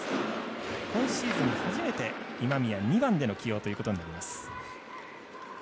今シーズン初めて今宮、２番での起用ということになります。